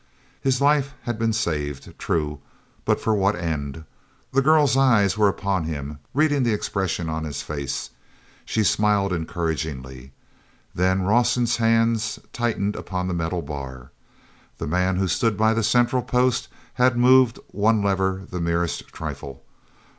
His life had been saved. True, but for what end? The girl's eyes were upon him, reading the expression on his face. She smiled encouragingly. Then Rawson's hands tightened upon the metal bar. The man who stood by the central post had moved one lever the merest trifle.